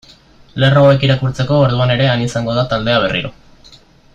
Lerro hauek irakurtzeko orduan ere han izango da taldea berriro.